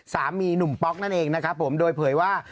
สามีหนุ่มป๊อกนั่นเองนะครับผมโดยเผยว่า